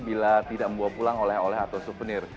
bila tidak membawa pulang oleh oleh atau souvenir